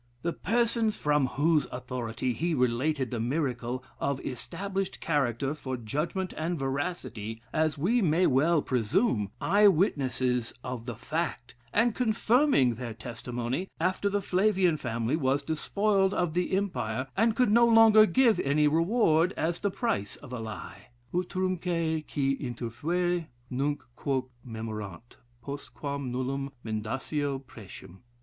The persons, from whose authority he related the miracle of established character for judgment and veracity, as we may well presume; eye witnesses of the fact, and confirming their testimony, after the Flavian family was despoiled of the empire, and could no longer give any reward as the price of a lie. Utrumque, qui interfuere, nunc quoque memorant, postquam nullum mendacio pretium.